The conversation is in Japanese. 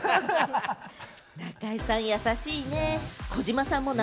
中居さん優しいね。